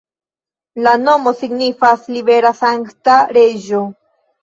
La nomo signifas libera-sankta-reĝo.